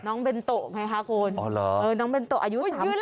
น้องเบิ้ลโตะไงคะครับคุณ